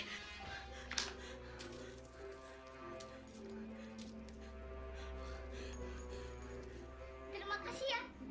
terima kasih ya